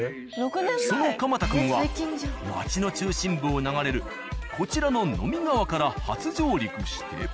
その「蒲田くん」は街の中心部を流れるこちらの呑川から初上陸して。